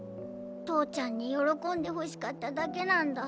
とうちゃんによろこんでほしかっただけなんだ。